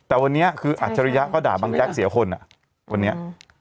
แต่วันนี้อัจจริยะก็ด่าบางแจ๊กเสียห้นอะ